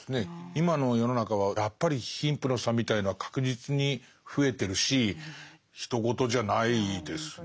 今の世の中はやっぱり貧富の差みたいのは確実に増えてるしひと事じゃないですね。